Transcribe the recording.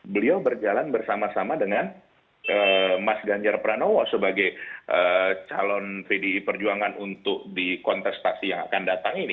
beliau berjalan bersama sama dengan mas ganjar pranowo sebagai calon pdi perjuangan untuk di kontestasi yang akan datang ini